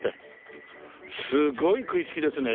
すごい食いつきですね。